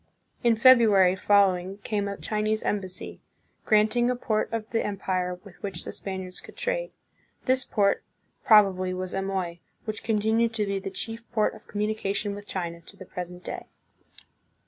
In Febru ary following came a Chinese embassy, granting a port of the empire with which the Spaniards could trade. This port, probably, was Amoy, which continued to be the chief port of communication with China to the present day.